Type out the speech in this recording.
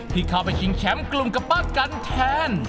ที่เข้าไปชิงแชมป์กลุ่มกับป้ากันแทน